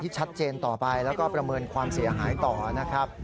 ชัดเจนต่อไปแล้วก็ประเมินความเสียหายต่อนะครับ